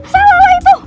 salah lah itu